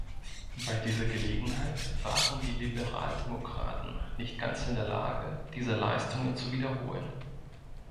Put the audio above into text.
Bei dieser Gelegenheit waren die Liberaldemokraten nicht ganz in der Lage, diese Leistungen zu wiederholen.